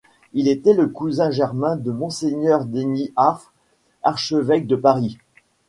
Il était le cousin germain de monseigneur Denys Affre, archevêque de Paris.